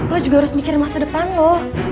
lo juga harus mikir masa depan lo